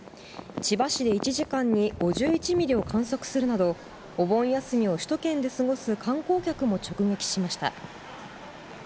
千葉市で１時間に５１ミリを観測するなど、お盆休みを首都圏で過ごす観光客も直撃しました。